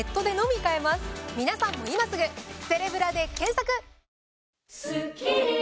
皆さんも今すぐセレブラで検索！